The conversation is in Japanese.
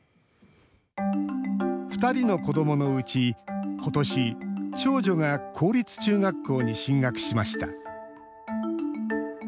２人の子どものうち、ことし、長女が公立中学校に進学しました。